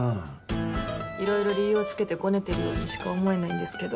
いろいろ理由をつけてごねてるようにしか思えないんですけど。